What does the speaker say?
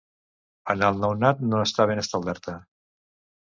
En el nounat no està ben establerta.